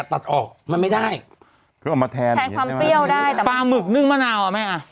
ตัดออกมันไม่ได้คือออกมาแทนแทนความเปรี้ยวได้แต่ปลาหมึกนึ่งมะนาวอ่ะแม่อ่ะ